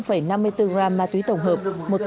năm mươi bốn gram ma túy tổng hợp